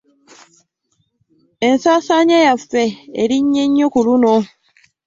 Ensaasaanya yaffe erinnye nnyo ku luno.